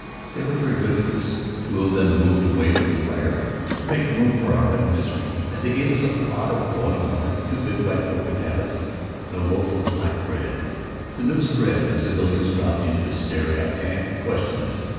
They were very good to us. Two of them moved away from the fire to make room for our wet misery and they gave us a pot of boiling water, two bivouac cocoa tablets and a loaf of black bread. The news spread, and civilians dropped in to stare at and question us.